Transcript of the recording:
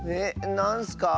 なんすか？